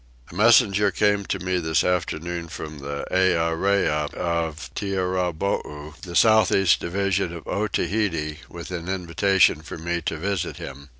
A messenger came to me this afternoon from the Earee of Tiarrabou, the south east division of Otaheite, with an invitation for me to visit him.